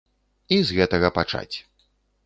І з гэтага пачаць.